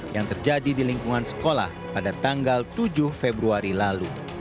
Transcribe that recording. yang terjadi di lingkungan sekolah pada tanggal tujuh februari lalu